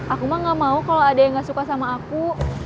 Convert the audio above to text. aku mah gak mau kalau ada yang gak suka sama aku